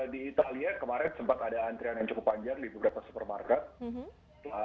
di italia kemarin sempat ada antrian yang cukup panjang di beberapa supermarket